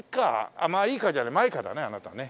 あっ「まあいいか」じゃない「マイカ」だねあなたね。